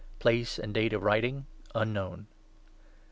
[PLACE AND DATE OF WRITING UNKNOWN.